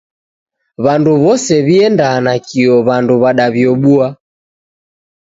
W'andu w'ose w'ienda nakio W'andu w'adaw'iobua.